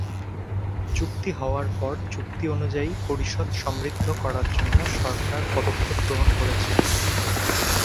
চুক্তি হওয়ার পর, চুক্তি অনুযায়ী পরিষদ সমৃদ্ধ করার জন্য সরকার পদক্ষেপ গ্রহণ করেছিল।